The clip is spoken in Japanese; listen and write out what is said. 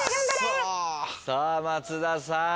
さあ松田さん